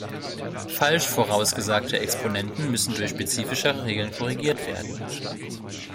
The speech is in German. Falsch vorausgesagte Exponenten müssen durch spezifischere Regeln korrigiert werden.